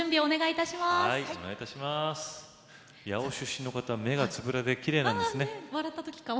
八尾市出身の方は目がつぶらできれいなんですね。